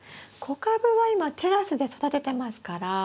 小カブは今テラスで育ててますから。